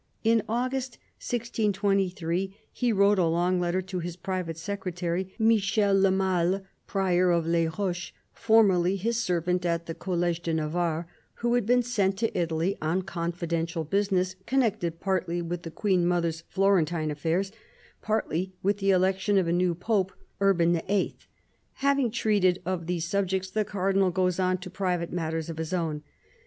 In August 1623 he wrote a long letter to his private secretary, Michel Le Masle, Prior of Les Roches — formerly his servant at the College de Navarre — who had been sent to Italy on confidential business connected partly with the Queen mother's Florentine affairs, partly with the election of a new Pope, Urban VIII. Having treated of these subjects, the Cardinal goes on to private matters of his own.